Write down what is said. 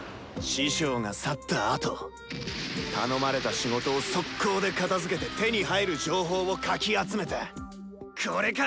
師匠が去ったあと頼まれた仕事を速攻で片づけて手に入る情報をかき集めたこれか！